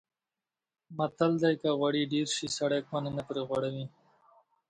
متل دی: که غوړي ډېر شي سړی کونه نه پرې غوړوي.